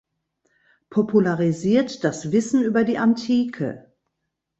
Popularisiert das Wissen über die Antike.